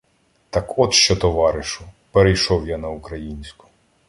— Так от що, товаришу! — перейшов я на українську.